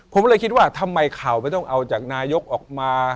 ผมเลยคิดว่าทำไมข่าวไม่ต้องเอาจากนายกออกมา